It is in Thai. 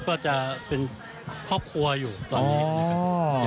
ก็จะเป็นครอบครัวอยู่ตอนนี้